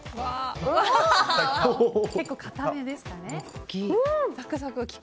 結構硬めですかね。